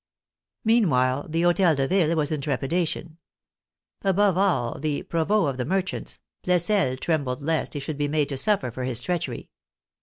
Meanwhile the Hotel de Ville was in trepidation. Above all, the " provost of the merchants," Flesselles, trembled lest he should be made to suffer for his treach ery.